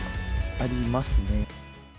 ありますね。